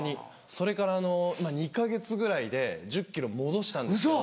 それから２か月ぐらいで１０ｋｇ戻したんですけど。